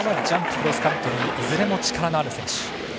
ジャンプ、クロスカントリーいずれも力のある選手。